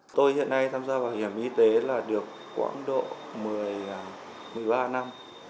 tôi hiện nay tham gia bảo hiểm y tế là được quãng độ một mươi ba năm